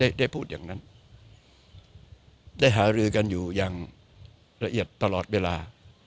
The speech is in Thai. ได้ได้พูดอย่างนั้นได้หารือกันอยู่อย่างละเอียดตลอดเวลา